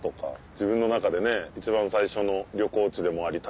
自分の中で一番最初の旅行地でもあり旅